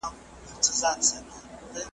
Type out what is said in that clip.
مرګی داسي پهلوان دی اتل نه پرېږدي پر مځکه .